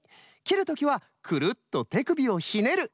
きるときはくるっとてくびをひねる！